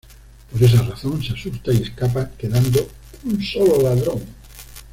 Por esa razón, se asusta y escapa quedando un solo ladrón.